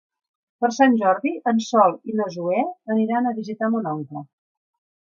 Per Sant Jordi en Sol i na Zoè aniran a visitar mon oncle.